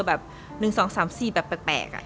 แบบ๑๒๓๔แบบแปลก